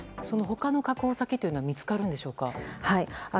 その、他の確保先というのは見つかるんでしょうか。